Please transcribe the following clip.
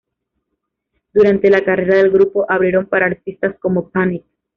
Durante la carrera del grupo, abrieron para artistas como Panic!